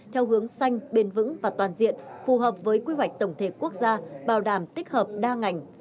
theo hướng xanh bền vững và toàn diện phù hợp với quy hoạch tổng thể quốc gia bảo đảm tích hợp đa ngành